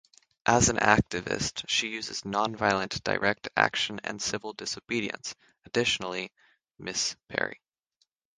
As an activist, she uses non-violent direct action and civil disobedience Additionally, Ms. Percy.